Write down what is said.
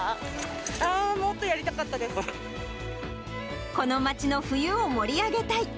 あー、もっとやりたかったでこの町の冬を盛り上げたい。